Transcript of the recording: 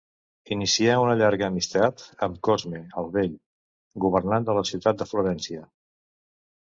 Inicià una llarga amistat amb Cosme el Vell, governant de la ciutat de Florència.